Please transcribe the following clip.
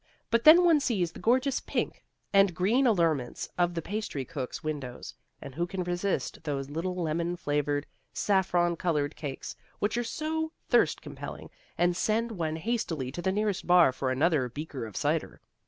But then one sees the gorgeous pink and green allurements of the pastry cooks' windows, and who can resist those little lemon flavoured, saffron coloured cakes, which are so thirst compelling and send one hastily to the nearest bar for another beaker of cider?